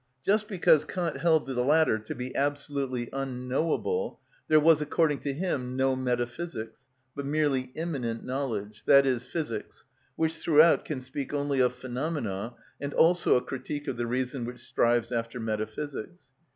Just because Kant held the latter to be absolutely unknowable, there was, according to him, no metaphysics, but merely immanent knowledge, i.e., physics, which throughout can speak only of phenomena, and also a critique of the reason which strives after metaphysics.